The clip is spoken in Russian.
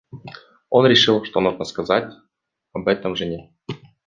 Он решил, что нужно сказать об этом жене.